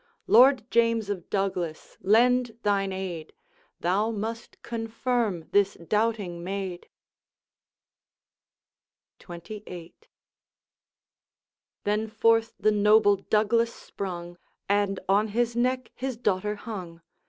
Lord James of Douglas, lend thine aid; Thou must confirm this doubting maid.' XXVIII. Then forth the noble Douglas sprung, And on his neck his daughter hung.